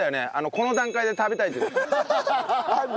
この段階で食べたいっていうの。